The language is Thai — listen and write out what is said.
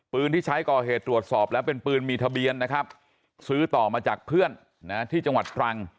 ที่ใช้ก่อเหตุตรวจสอบแล้วเป็นปืนมีทะเบียนนะครับซื้อต่อมาจากเพื่อนที่จังหวัดตรัง